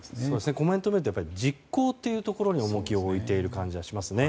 コメントを見ると実行というところに重きを置いている感じはしますね。